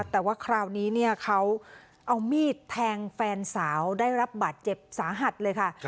แต่ว่าคราวนี้เนี่ยเขาเอามีดแทงแฟนสาวได้รับบาดเจ็บสาหัสเลยค่ะ